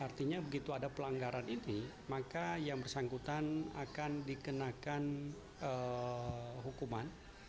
artinya begitu ada pelanggaran ini maka yang bersangkutan akan dikenakan hukuman